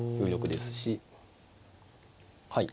はい。